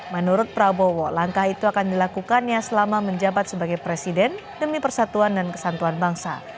menurut prabowo langkah itu akan dilakukannya selama menjabat sebagai presiden demi persatuan dan kesatuan bangsa